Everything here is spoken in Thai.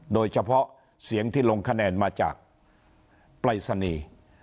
โดยเฉพาะเสียงที่ลงคะแนนมาจากปรายศนีย์